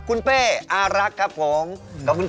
คุณเป้อารักครับผม